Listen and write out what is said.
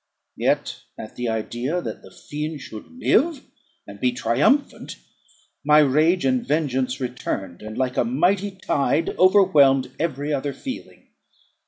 Yet at the idea that the fiend should live and be triumphant, my rage and vengeance returned, and, like a mighty tide, overwhelmed every other feeling.